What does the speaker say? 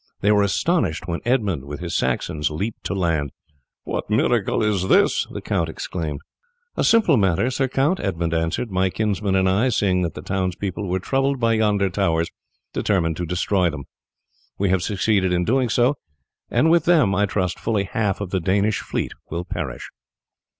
They were astonished when Edmund with his Saxons leaped to land. "What miracle is this?" the count exclaimed. "A simple matter, Sir Count," Edmund answered. "My kinsman and I, seeing that the townspeople were troubled by yonder towers, determined to destroy them. We have succeeded in doing so, and with them I trust fully half of the Danish fleet will perish."